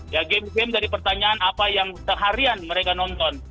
ya game game dari pertanyaan apa yang seharian mereka nonton